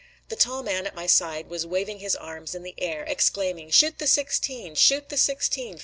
The tall man at my side was waving his arms in the air, exclaiming: "Shoot the sixteen!" "Shoot the sixteen!"